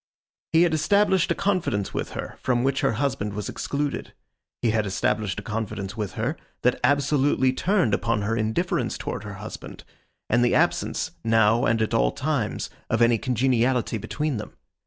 He had established a confidence with her, from which her husband was excluded. He had established a confidence with her, that absolutely turned upon her indifference towards her husband, and the absence, now and at all times, of any congeniality between them.